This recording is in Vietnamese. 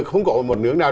không có một nước nào